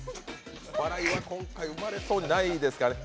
笑いは今回生まれそうにないですかね。